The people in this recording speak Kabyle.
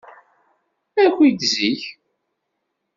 Aki-d zik.